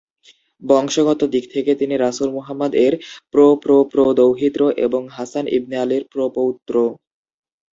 বংশগত দিক থেকে তিনি রাসুল মুহাম্মাদ এর প্র-প্র-প্র-দৌহিত্র এবং হাসান ইবনে আলীর প্র-পৌত্র।